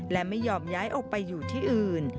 และไม่ยอมย้ายออกไปอยู่ที่อื่น